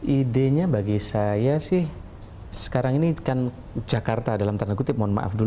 idenya bagi saya sih sekarang ini kan jakarta dalam tanda kutip mohon maaf dulu